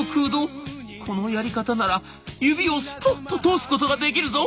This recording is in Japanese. このやり方なら指をスポッと通すことができるぞ！